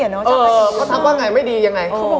เขาทักว่าไงไม่ดียังไง